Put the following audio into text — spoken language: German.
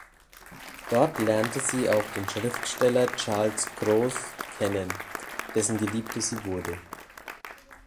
Dort lernte sie auch den Schriftsteller Charles Cros kennen, dessen Geliebte sie wurde.